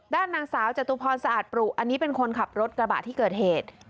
ด้านนางสาวจตุพรสะอาดปรุอันนี้เป็นคนขับรถกระบะที่เกิดเหตุ